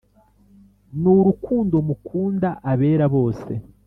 n’urukundo mukunda abera bose